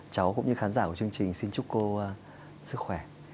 cháu cũng như khán giả của chương trình xin chúc cô sức khỏe